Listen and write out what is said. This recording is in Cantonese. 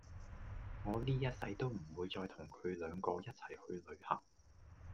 我哩一世都唔會再同佢兩個一齊去旅行